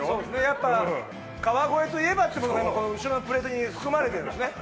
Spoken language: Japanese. やっぱ川越といえばっていうものが今後ろのプレートに含まれてるんですね